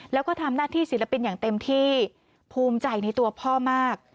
แล้วก็ทำหน้าที่ศิลปินอย่างเต็มที่ภูมิใจในตัวพ่อมาก